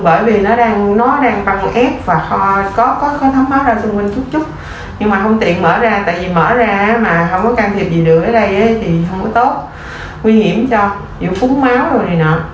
bởi vì nó đang băng ép và có thấm máu ra xung quanh chút chút nhưng mà không tiện mở ra tại vì mở ra mà không có can thiệp gì được ở đây thì không có tốt nguy hiểm cho dù phúng máu rồi gì nọ